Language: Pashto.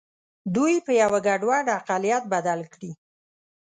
دوی په یوه ګډوډ اقلیت بدل کړي.